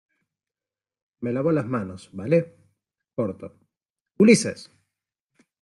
me lavo las manos, ¿ vale? corto. ¡ Ulises!